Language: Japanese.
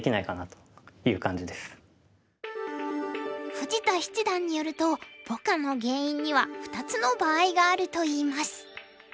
富士田七段によるとポカの原因には２つの場合があるといいます。